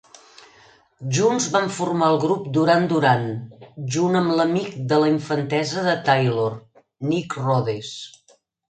Junts van formar el grup Duran Duran, junt amb l"amic de la infantesa de Taylor, Nick Rhodes.